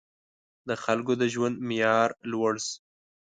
• د خلکو د ژوند معیار لوړ شو.